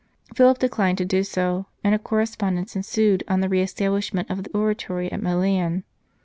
Philip declined to do so, and a correspondence ensued on the re establishment of the Oratory at Milan.